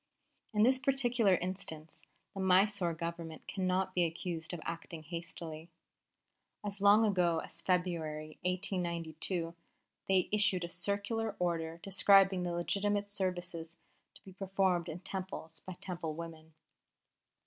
In this particular instance the Mysore Government cannot be accused of acting hastily. As long ago as February, 1892, they issued a circular order describing the legitimate services to be performed in Temples by Temple women.